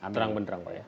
terang beneran pak ya